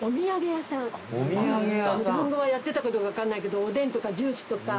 やってたかどうか分かんないけどおでんとかジュースとか。